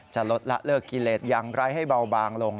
จะลดละเลิกกิเลสอย่างไรให้เบาบางลง